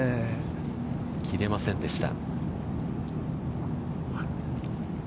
切れませんでした。